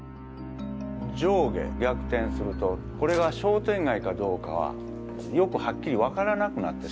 上下逆転するとこれが商店街かどうかはよくはっきりわからなくなってしまいます。